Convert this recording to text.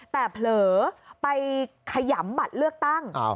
แต่เผลอไปขยำบัตรเลือกตั้ง